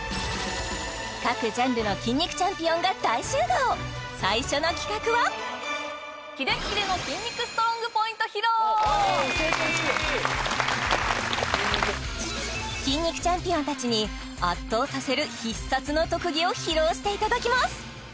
各ジャンルの筋肉チャンピオンが大集合筋肉チャンピオンたちに圧倒させる必殺の特技を披露していただきます